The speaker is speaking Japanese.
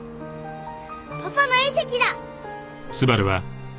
パパの隕石だ！